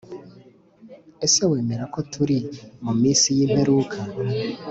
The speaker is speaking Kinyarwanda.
Ese wemera ko turi mu minsi y’ imperuka